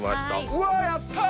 うわやった！